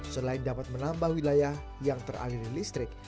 selain dapat menambah wilayah yang teraliri listrik